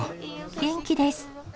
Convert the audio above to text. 元気です。